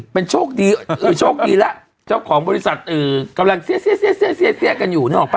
เป็นโชคดีเออโชคดีล่ะเจ้าของบริษัทอืมกำลังเสียดกันอยู่เนอะออกป้ะ